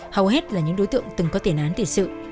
hầu hết là những đối tượng từng có tiền án tiền sự